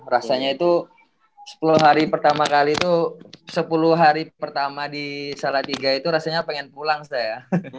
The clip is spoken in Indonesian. rasanya itu sepuluh hari pertama kali itu sepuluh hari pertama di salatiga itu rasanya pengen pulang sudah ya